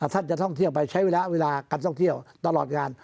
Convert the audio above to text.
ท่านจะท่องเที่ยวไปใช้เวลาการท่องเที่ยวตลอดงาน